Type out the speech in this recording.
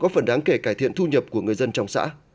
có phần đáng kể cải thiện thu nhập của người dân trong xã